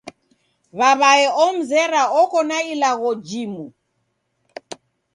W'aw'ae omzera oko na ilagho jimu!